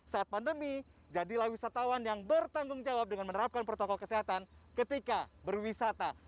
saat pandemi jadilah wisatawan yang bertanggung jawab dengan menerapkan protokol kesehatan ketika berwisata